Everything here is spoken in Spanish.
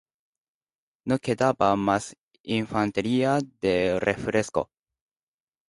No quedaba más infantería de refresco.